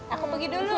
aku pergi dulu